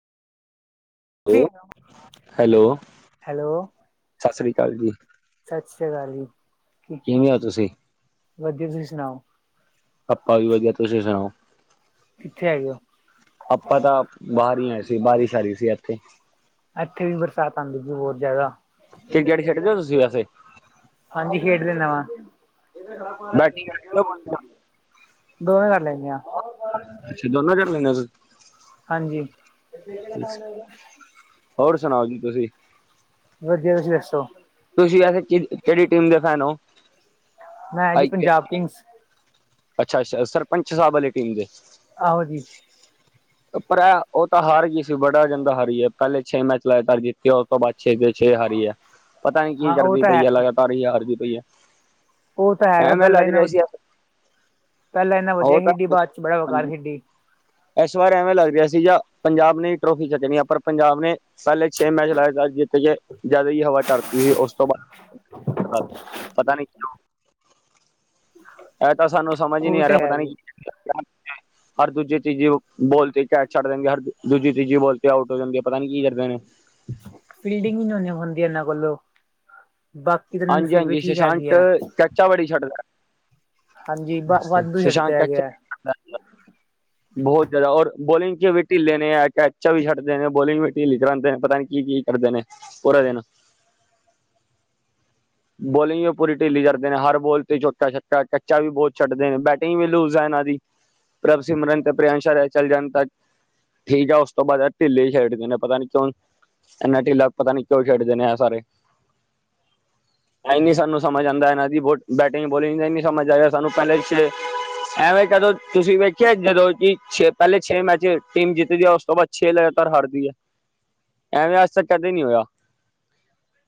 ਓ ਕੀ hello, hello ਸਤਿ ਸ੍ਰੀ ਕਾਲ ਜੀ। ਸਤਿ ਸ੍ਰੀ ਕਾਲ ਜੀ, ਕੀ ਕਿਵੇਂ ਹੋ ਤੁਸੀਂ? ਵਧੀਆ ਤੁਸੀਂ ਸੁਣਾਓ? ਆਪਾ ਵੀ ਵਧੀਆ, ਤੁਸੀਂ ਸੁਣਾਓ? ਕਿੱਥੇ ਹੈਗੇ ਹੋ ਆਪਾ ਤਾਂ ਬਾਹਰ ਹੀ ਆਏ ਸੀ, ਬਾਰਿਸ਼ ਆ ਰਹੀ ਸੀ ਐਥੇ। ਐਥੇ ਵੀ ਬਰਸਾਤ ਆਂਦੀ ਪਈ, ਬੋਤ ਜਾਦਾ। [unintelligible] ਛੱਡਦੇ ਔ ਤੁਸੀਂ ਵੈਸੇ? ਹਾਂਜੀ, ਹੇਡ ਦੇਨਾਂ ਵਾਂ। ਬੈਟਿੰਗ ਦੋਨੋਂ ਦੋਵੇਂ ਕਰ ਲੈਂਨੇ ਆ। ਅੱਛਾ ਦੋਨੋਂ ਕਰ ਲੈਂਨੇ ਓ ਤੁੱ ਹਾਂਜੀ। ਹੋਰ ਸੁਣਾਓ ਜੀ ਤੁਸੀਂ? ਵਧੀਆ, ਤੁਸੀਂ ਦੱਸੋ? ਤੁਸੀਂ ਵੈਸੇ ਕਿ ਕਿਹੜੀ ਟੀਮ ਦੇ ਫੈਨ ਹੋ? ਮੈਂ ਜੀ ਪੰਜਾਬ ਕਿੰਗਸ ਅੱਛਾ-ਅੱਛਾ ਸਰਪੰਚ ਸਾਹਿਬ ਆਲੇ ਕਿੰਗ। ਆਹੋ ਜੀ। ਪਰ ਏਹ ਉਹ ਤਾਂ ਹਾਰ ਗਈ ਸੀ, ਬੜਾ ਗਂਦਾ ਹਾਰੀ ਏ, ਪਹਿਲੇ ਛੇ ਮੈਚ ਲਗਾਤਾਰ ਜਿੱਤ ਕੇ ਉਸ ਤੋਂ ਬਾਅਦ ਛੇ ਦੇੇ ਛੇ ਹਾਰੀ ਹੈ। ਪਤਾ ਨੀ ਕੀ ਹਾਂ ਉਹ ਕਰਦੀ ਤਾਂ ਪਈ ਹੈ? ਲਗਾਤਾਰ ਹੀ ਹਾਰਦੀ ਪਈ ਹੈ। ਉਹ ਤਾਂ ਹੈਗਾ, ਐਵੇਂ ਪਹਿਲਾਂ ਲੱਗ ਇਨਾ, ਰਿਹਾ ਸੀ ਪਹਿਲਾਂ ਇਨਾਂ ਉਹ ਵਧੀਆ ਖੇਡੀ, ਤਾਂ ਬਾਅਦ ਚ ਬੜਾ ਵੇਕਾਰ ਖੇਡੀ। ਇਸ ਵਾਰ ਐਵੇਂ ਲੱਗ ਰਿਹਾ ਸੀ ਜਾਂ, ਪੰਜਾਬ ਨੇ ਈ ਟਰੋਫੀ ਛਡਣੀ ਆ, ਪਰ ਪੰਜਾਬ ਨੇ ਪੈਲੇ ਛੇ ਮੈਚ ਲਾਏ ਤਾ ਜੀਤ ਗੇ। ਜਾਈਦਾ ਈ ਹਵਾ ਕਰਤੀ ਹੈ ਉਸ ਤੋਂ ਬਾਅਦ [unintelligible] ਪਤਾ ਨੀ ਕਂਯੋ ਏਹ ਤਾਂ ਸਾਨੂੰ ਸਮਝ ਈ ਉਹ ਨਹੀਂ ਆ ਤੇ ਰਿਹਾ, ਹੈ ਪਤਾ ਜੀ ਨੀ [unintelligible] ਹਰ ਦੂਜੇ ਤੀਜ਼ੀ ਬੋਲ ਤੇ ਕੈਚ ਛੱਡ ਦੇਣਗੇ, ਹਰ ਦੂਜੀ ਤੀਜੀ ਬੋਲ ਤੇ ਆਊਟ ਹੋ ਜਾਨਗੇ, ਪਤਾ ਨੀ ਕੀ ਕਰਦੇ ਨੇ? ਫੀਲਡਿੰਗ ਵੀ ਨੀ ਹੁੰ ਹੁੰਦੀ ਇਹਨਾਂ ਕੋਲੋਂ, ਬਾਕੀ ਤੇ ਨ ਫਿਰ ਵੀ ਠੀਕ ਹੈਗੀ ਐ। ਉਚਾ ਬੜੀ ਛੱਡਦਾ ਹਾਂਜੀ ਐ, ਵਾਧੂ ਛੱਡਦੇ ਸ਼ੁਸ਼ਾਂਤ ਹੈਗੇ ਕੈਚਪ ਹੈ [unintelligible] [inaudible] ਬੋਹ ਜਾਦਾ, ਔਰ ਬੋਲਿੰਗ ਚ ਵੀ ਢਿੱਲੇ ਨੇ ਐ, ਕੈਚਾ ਵੀ ਛਡਦੇ ਨੇ, ਬੋਲਿੰਗ ਵੀ ਢਿੱਲੀ ਕਰਾਦੇ ਨੇ, ਪਤਾ ਨੀ ਕੀ-ਕੀ ਕਰਦੇ ਨੇ? ਪੂਰਾ ਦਿਨ। ਬੋਲਿੰਗ ਵੀ ਪੂਰੀ ਢਿੱਲੀ ਕਰਦੇ ਨੇ, ਹਰ ਬੋਲ ਤੇ ਚੋੱਕਾ ਛੱਕਾ ਕੱਚਾ ਵੀ ਬਹੁਤ ਛੱਡਦੇ ਨੇ ਬੈਟਿੰਗ ਵੀ ਲੂਜ ਹੈ, ਇਹਨਾਂ ਦੀ ਪ੍ਰਭ ਸਿਮਰਨ ਤੇ ਪ੍ਰੇੰਆਂਸ਼ ਆਰਿਏ ਚੱਲ ਜਾਣ ਤਕ ਠੀਕ ਆ ਉਸ ਤੋਂ ਬਾਅਦ ਢਿੱਲੇ ਖੇਡਦੇ ਨੇ ਪਤਾ ਨੀ ਕਿਉਂ ਇੰਨਾ ਢਿੱਲਾ ਪਤਾ ਨੀ ਕਿਉਂ ਖੇਡਦੇ ਆ ਸਾਰੇ ਇ ਨੀ ਸਾਨੂੰ ਸਮਝ ਆਉਂਦਾ ਇਹਨਾਂ ਦੀ ਬ ਬੈਟਿੰਗ ਬੋਲਿੰਗ ਦਾ ਨੀ ਸਮਝ ਆ ਰਿਹਾ ਸਾਨੂੰ ਪਹਿਲੇ ਪਿੱਛੇ ਐਂਵੇ ਕਦੋਂ ਤੁਸੀਂ ਵੇਖਿਆ, ਜਦੋਂ ਕਿ ਛੇ ਪਹਿਲੇ ਛੇ ਮੈਚ ਟੀਮ ਜਿੱਤਦੀ ਉਸ ਤੋਂ ਬਾਅਦ ਛੇ ਲਗਾਤਾਰ ਹਟਦੀ ਹੈ, ਐਵੇਂ ਅੱਜ ਤੱਕ ਕਦੇ ਨਹੀਂ ਹੋਇਆ